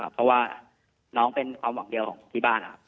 เพราะว่าน้องเป็นความหวังเดียวของที่บ้านนะครับ